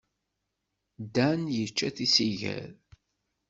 Dan yečča tisigar.